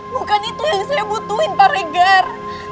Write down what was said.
bukan itu yang saya butuhin pak regar